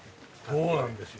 そうなんですよ。